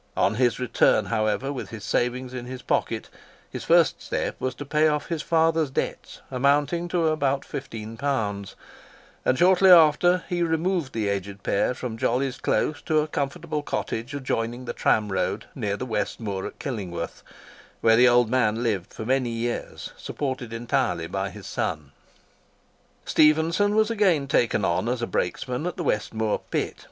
On his return, however, with his savings in his pocket, his first step was to pay off his father's debts, amounting to about £15; and shortly after he removed the aged pair from Jolly's Close to a comfortable cottage adjoining the tramroad near the West Moor at Killingworth, where the old man lived for many years, supported entirely by his son. Stephenson was again taken on as a brakesman at the West Moor Pit.